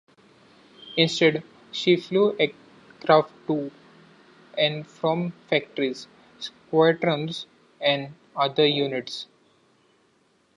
Instead, she flew aircraft to and from factories, squadrons and other units.